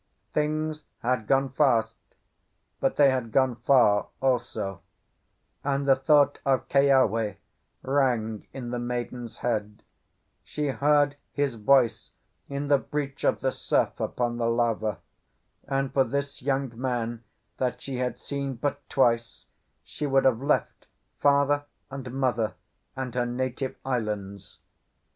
Things had gone fast, but they had gone far also, and the thought of Keawe rang in the maiden's head; she heard his voice in the breach of the surf upon the lava, and for this young man that she had seen but twice she would have left father and mother and her native islands.